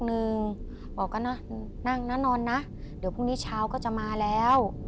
บอกก็นะนั่งนะนอนนะเดี๋ยวพรุ่งนี้เช้าก็จะมาแล้ว